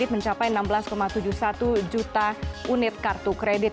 mencapai enam belas tujuh puluh satu juta unit kartu kredit